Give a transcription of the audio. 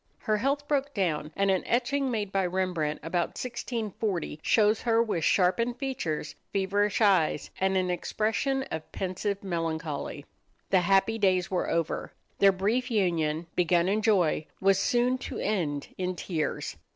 Her health broke down, and an etching made by Rembrandt about 1640 shows her with sharpened features, feverish eyes, and an expression of pensive melancholy. The happy days were over. Their brief union, begun in joy, was soon to end in tears.